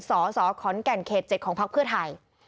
สสขแก่นเขต๗ของภพเพื่อไทย